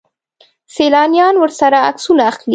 سیلانیان ورسره عکسونه اخلي.